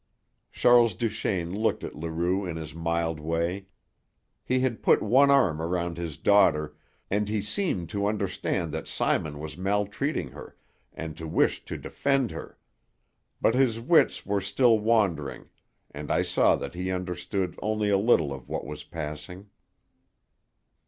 Charles Duchaine looked at Leroux in his mild way. He had put one arm round his daughter, and he seemed to understand that Simon was maltreating her, and to wish to defend her; but his wits were still wandering, and I saw that he understood only a little of what was passing.